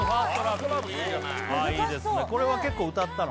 これは結構歌ったの？